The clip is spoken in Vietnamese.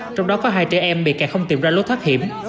trong đó có hai trẻ em bị kẹt không tìm ra lối thoát hiểm